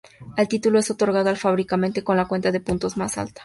El título es otorgado al fabricante con la cuenta de puntos más alta.